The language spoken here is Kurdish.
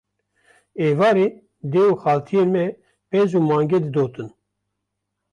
Êvarê dê û xaltiyên me pez û mangê didotin